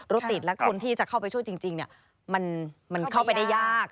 รถติดและคนที่จะเข้าไปช่วยจริงมันเข้าไปได้ยาก